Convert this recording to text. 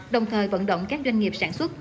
đồng thời vận động các doanh nghiệp sản xuất